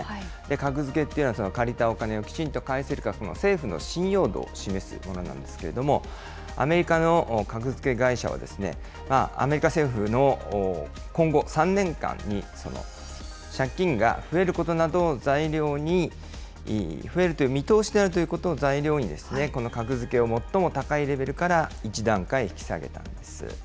格付けっていうのは借りたお金をきちんと返せるか、政府の信用度を示すものなんですけれども、アメリカの格付け会社はですね、アメリカ政府の今後３年間に、借金が増えることなどを材料に、増えるという見通しであるということを材料に、この格付けを最も高いレベルから１段階引き下げたんです。